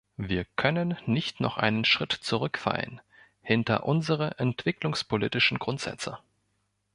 Wir können nicht noch einen Schritt zurückfallen hinter unsere entwicklungspolitischen Grundsätze.